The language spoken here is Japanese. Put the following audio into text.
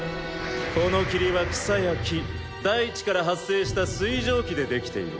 この霧は草や木大地から発生した水蒸気で出来ている。